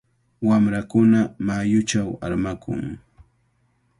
Wamrakuna mayuchaw armakun.